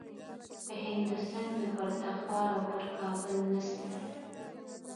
په هند و سند و پر تخار او پر کابل نسته.